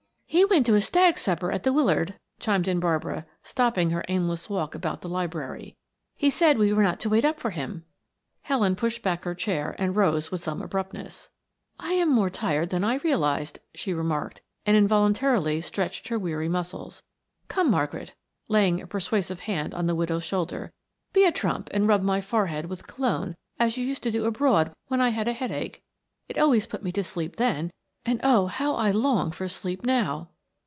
"He went to a stag supper at the Willard," chimed in Barbara, stopping her aimless walk about the library. "He said we were not to wait up for him." Helen pushed back her chair and rose with some abruptness. "I am more tired than I realized," she remarked and involuntarily stretched her weary muscles. "Come, Margaret," laying a persuasive hand on the widow's shoulder. "Be a trump and rub my forehead with cologne as you used to do abroad when I had a headache. It always put me to sleep then; and, oh, how I long for sleep now!"